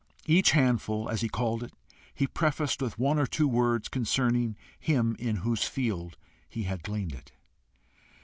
Each handful, as he called it, he prefaced with one or two words concerning him in whose field he had gleaned it.